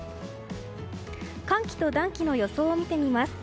寒気と暖気の予想を見てみます。